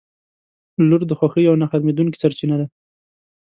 • لور د خوښۍ یوه نه ختمېدونکې سرچینه ده.